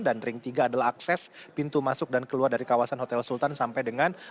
dan ring tiga adalah akses pintu masuk dan keluar dari kawasan hotel sultan sampai dengan